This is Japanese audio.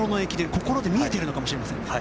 心で見えているのかもしれません。